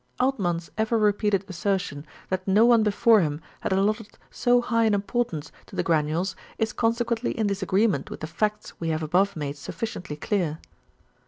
Altmann's ever repeated assertion that no one before him had allotted so high an importance to the granules is consequently in disagreement with the facts we have above made sufficiently clear.